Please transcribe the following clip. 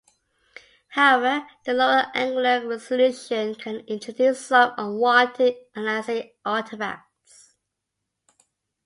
However, the lower angular resolution can introduce some unwanted aliasing artifacts.